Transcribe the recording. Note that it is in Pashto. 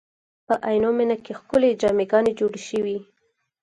په عینومېنه کې ښکلې جامع ګانې جوړې شوې.